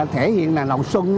thể hiện là lòng xuân